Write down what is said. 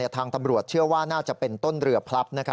ทางตำรวจเชื่อว่าน่าจะเป็นต้นเรือพลับ